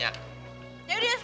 ya yuk kita berangkat